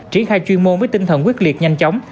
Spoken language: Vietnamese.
triển khai chuyên môn với tinh thần quyết liệt nhanh chóng